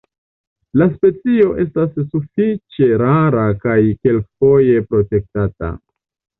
La specio estas sufiĉe rara kaj kelkfoje protektata.